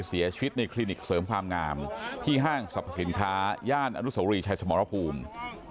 เสียชีวิตในคลินิกเสริมความงามที่ห้างสรรพสินค้าย่านอนุสวรีชายสมรภูมิ